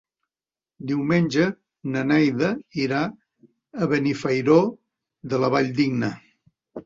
Diumenge na Neida irà a Benifairó de la Valldigna.